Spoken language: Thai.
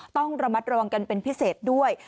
ต้องระมัดระวังกันเป็นพิเศษด้วย